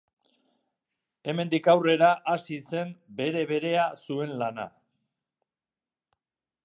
Hemendik aurrera hasi zen bere-berea zuen lana.